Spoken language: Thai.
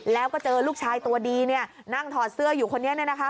แล้วก็เจอลูกชายตัวดีเนี่ยนั่งถอดเสื้ออยู่คนนี้เนี่ยนะคะ